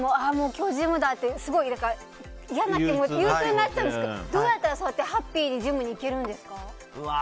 今日、ジムだってすごい嫌な気持ち憂鬱になっちゃうんですけどどうやったらハッピーにジムに行けるんですか？